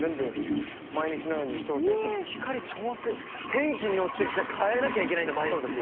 天気によって変えなきゃいけないんだ毎日。